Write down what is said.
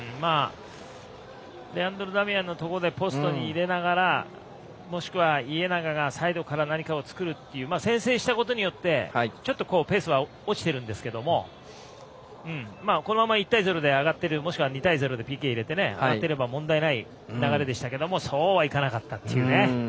レアンドロ・ダミアンのところでポストに入れながらもしくは家長がサイドから何かを作るという先制したことによってペースは落ちてるんですけどこのまま１対１で上がっているもしくは２対０でＰＫ入れて、上がっていれば問題ない流れでしたけどそうはいかなかったというね。